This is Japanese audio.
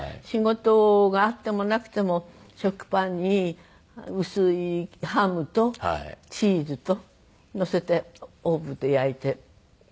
仕事があってもなくても食パンに薄いハムとチーズとのせてオーブンで焼いて。